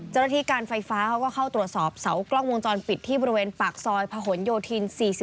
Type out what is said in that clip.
เจ้าหน้าที่การไฟฟ้าเขาก็เข้าตรวจสอบเสากล้องวงจรปิดที่บริเวณปากซอยพะหนโยธิน๔๔